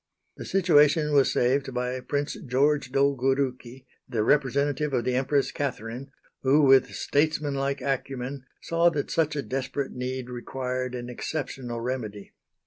The situation was saved by Prince George Dolgourouki, the representative of the Empress Catherine, who, with statesmanlike acumen, saw that such a desperate need required an exceptional remedy.